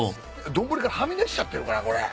丼からはみ出しちゃってるからこれ。